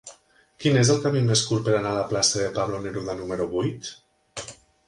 Quin és el camí més curt per anar a la plaça de Pablo Neruda número vuit?